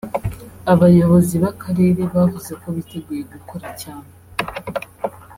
Abayobozi b’akarere bavuze ko biteguye gukora cyane